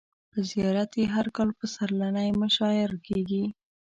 په زیارت یې هر کال پسرلنۍ مشاعر کیږي.